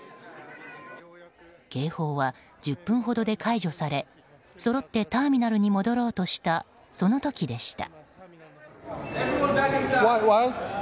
警報は１０分ほどで解除されそろってターミナルに戻ろうとしたその時でした。